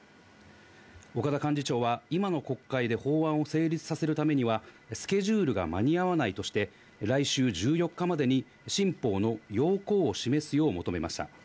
岡田幹事長は、今の国会で法案を成立させるためには、スケジュールが間に合わないとして、来週１４日までに、新法の要綱を示すよう求めました。